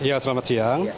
iya selamat siang